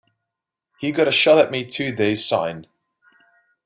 He got a shot at me two days syne.